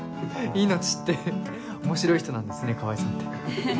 命って面白い人なんですね川合さんって。